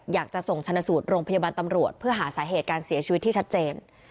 อยากจะส่งชนะสูตรโรงพยาบาลตำรวจเพื่อหาสาเหตุการเสียชีวิตที่ชัดเจน